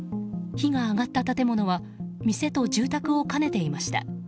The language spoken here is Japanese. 火が上がった建物は店と住宅を兼ねていました。